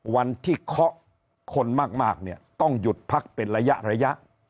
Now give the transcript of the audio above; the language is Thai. วันที่เคาะคนมากเนี่ยต้องหยุดพักเป็นระยะ